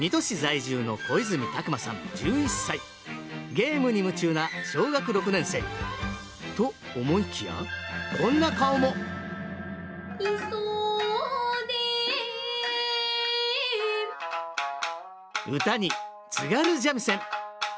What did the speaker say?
ゲームに夢中な小学６年生と思いきやこんな顔も唄に津軽三味線。